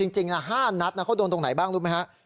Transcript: จริง๕นัดเขาโดนตรงไหนบ้างรู้ไหมฮะ